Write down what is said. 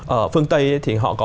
ở phương tây thì họ có